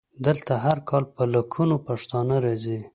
دلته هر کال په لکونو پښتانه راځي.